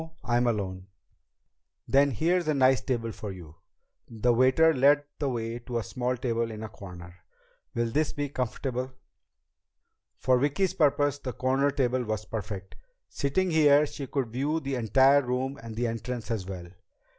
I'm alone." "Then here's a nice table for you." The waiter led the way to a small table in a corner. "Will this be comfortable?" For Vicki's purpose, the corner table was perfect. Sitting here, she could view the entire room and the entrance as well.